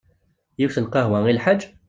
Yiwet n lqahwa i lḥaǧ?